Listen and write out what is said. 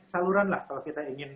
saluran lah kalau kita ingin